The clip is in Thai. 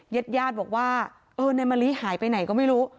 ญาติญาติบอกว่าเออนายมะลิหายไปไหนก็ไม่รู้